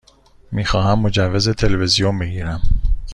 می خواهم مجوز تلویزیون بگیرم.